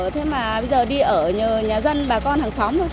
thế mà bây giờ đi ở nhờ nhà dân bà con hàng xóm thôi